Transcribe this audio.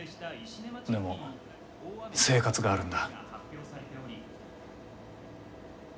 でも生活があるんだ。